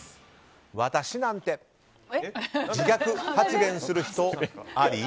「私なんて」と自虐発言する人あり？